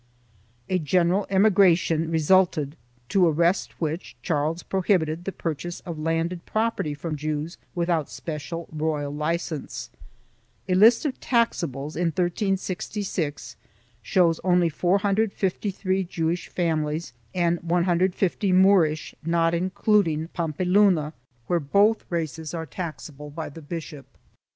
A general emigration resulted, to arrest which Charles prohibited the purchase of landed property from Jews without special royal license. A list of taxables, in 1366, shows only 453 Jewish families and 150 Moorish, not including Pam peluna, where both races were taxable by the bishop.